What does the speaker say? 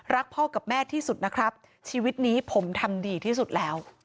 พ่อกับแม่ที่สุดนะครับชีวิตนี้ผมทำดีที่สุดแล้ว